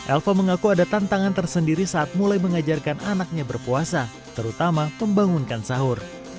elva mengaku ada tantangan tersendiri saat mulai mengajarkan anaknya berpuasa terutama membangunkan sahur